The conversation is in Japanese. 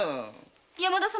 山田様。